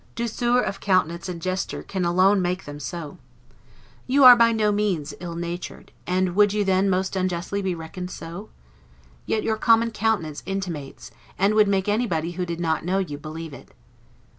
Douceur of countenance and gesture can alone make them so. You are by no means ill natured; and would you then most unjustly be reckoned so? Yet your common countenance intimates, and would make anybody who did not know you, believe it.